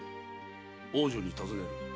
王女に尋ねる。